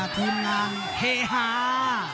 ทีมงานเฮฮา